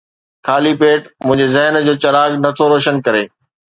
خالي پيٽ منهنجي ذهن جو چراغ نه ٿو روشن ڪري